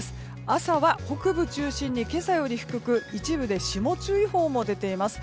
朝は北部中心に今朝より低く一部で霜注意報も出ています。